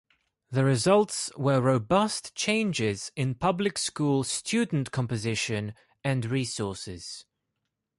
The results were robust changes in public school student composition and resources.